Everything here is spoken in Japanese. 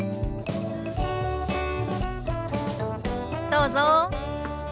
どうぞ。